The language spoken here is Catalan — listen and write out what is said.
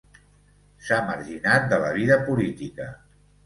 S'ha marginat de la vida política.